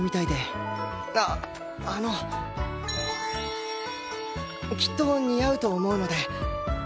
ああのきっと似合うと思うので。